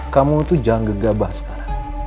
kamu itu jangan gegabah sekarang